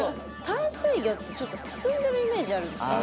淡水魚ってちょっとくすんでるイメージあるんですよ。